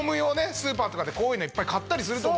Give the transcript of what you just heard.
スーパーとかでこういうのいっぱい買ったりすると思う。